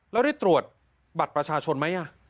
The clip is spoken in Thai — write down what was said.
แล้วได้ตรวจบัตรประชาชนไหม